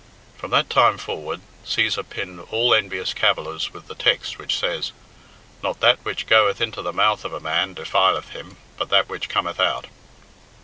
From that time forward, Cæsar pinned all envious cavillers with the text which says, "Not that which goeth into the mouth of a man defileth him, but that which cometh out."